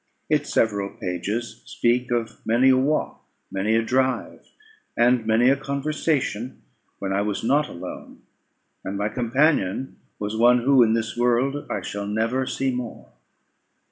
Its several pages speak of many a walk, many a drive, and many a conversation, when I was not alone; and my companion was one who, in this world, I shall never see more.